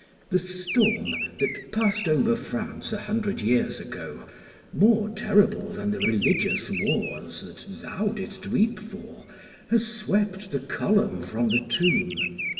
The storm that passed over France a hundred years ago, more terrible than the religious wars that thou didst weep for, has swept the column from the tomb.